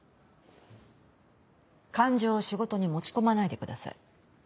感情を仕事に持ち込まないでください。